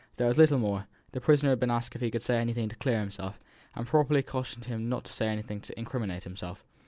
There was little more: the prisoner had been asked if he could say anything to clear himself, and properly cautioned not to say anything to incriminate himself.